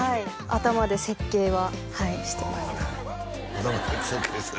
頭で設計はしてます